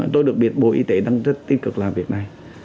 tôi được biết bộ y tế đang rất tích cực làm việc này